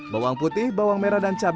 bawang putih bawang merah dan cabai